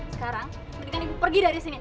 sekarang mendingan ibu pergi dari sini